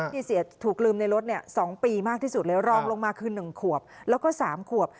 เสียถูกลืมในรถ๒ปีมากที่สุดเลยรองลงมาคือ๑ขวบแล้วก็๓ขวบ